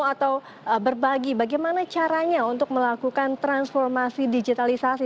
atau berbagi bagaimana caranya untuk melakukan transformasi digitalisasi